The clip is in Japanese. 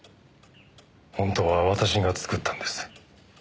本当は私が作ったんです。